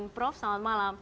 prof selamat malam